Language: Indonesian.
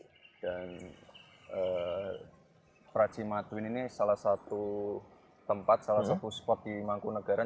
dan pracima twin ini salah satu tempat salah satu puspot di mangkunagaran